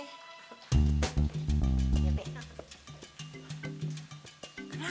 iya be enak